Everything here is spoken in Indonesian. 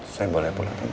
saya boleh pulang tante